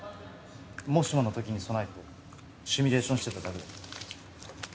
もしものときに備えてシミュレーションしてただけだよ。